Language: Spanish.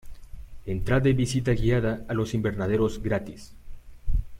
Entrada y visita guiada a los invernaderos gratis.